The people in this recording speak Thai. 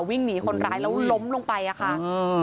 วิ่งหนีคนร้ายแล้วล้มลงไปอะค่ะ